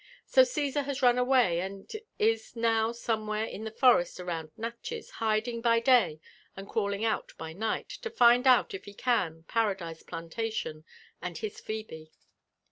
So Gesar baa nm away, and is now aom^wher^ in the forest round Natofae2» hiding by day, and crawling out by night, to find out, if he can, Paradiae Pian^ tation and his Phebe."